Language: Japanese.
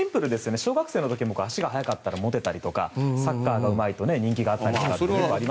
小学生の時は足が速かったらモテたりサッカーがうまければ人気だったり。